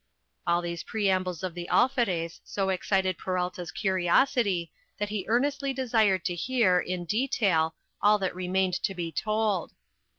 All these preambles of the Alferez so excited Peralta's curiosity, that he earnestly desired to hear, in detail, all that remained to be told.